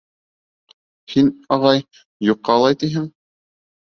— Һин, ағай, юҡҡа улай тиһең.